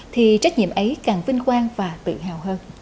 thì trách nhiệm ấy càng vinh quang và tự hào hơn